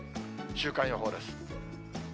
週間予報です。